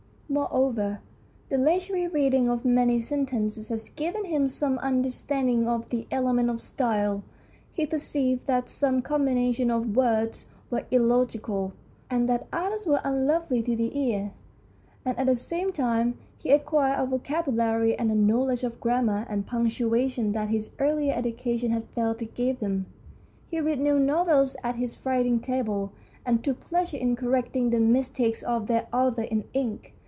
Moreover, the leisurely reading of many sen tences had given him some understanding of the elements of style. He perceived that some combinations of words were illogical, and that others were unlovely to the ear ; and THE STORY OF A BOOK 119 at the same time he acquired a vocabulary and a knowledge of grammar and punctuation that his earlier education had failed to give him. He read new novels at his writing table, and took pleasure in correcting the mis takes of their authors in ink.